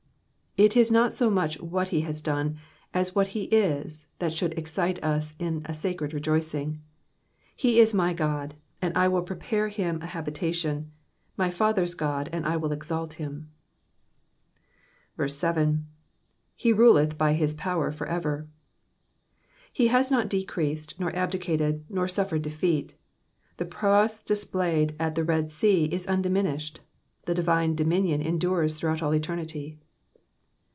It is not so much what he has done, as what he is, that should excite in us a sacred rejoicing. *' He is my God, and I will prepare him an habitation ; my father's God, and I will exalt him." 7. //<J ruleth by his power for ever.'*'* He has not deceased, nor abdicated, nor suffered defeat. The prowess displayed at the Red Sea is undiminished : the divine dominion endures throughout eternity.